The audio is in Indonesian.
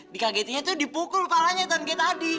dikagetinnya tuh dipukul kepalanya ton kayak tadi